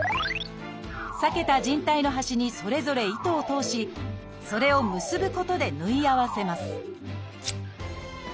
裂けた靭帯の端にそれぞれ糸を通しそれを結ぶことで縫い合わせます